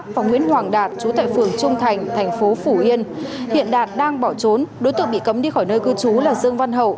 và nguyễn hoàng đạt chú tại phường trung thành thành phố phủ yên hiện đạt đang bỏ trốn đối tượng bị cấm đi khỏi nơi cư trú là dương văn hậu